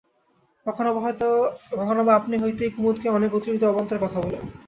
কখনোবা আপনা হইতেই কুমুদকে অনেক অতিরিক্ত অবান্তর কথা বলে।